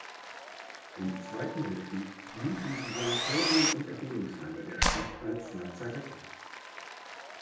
Im Zweiten Weltkrieg dienten die Sanatorien und Erholungsheime der Stadt als Lazarette.